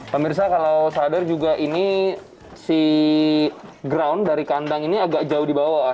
pak mirsa kalau sadar juga ini si ground dari kandang ini agak jauh di bawah